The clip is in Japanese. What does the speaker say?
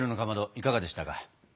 いかがでしたか？